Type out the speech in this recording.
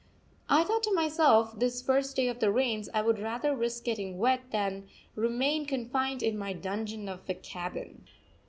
] I thought to myself, this first day of the rains, I would rather risk getting wet than remain confined in my dungeon of a cabin.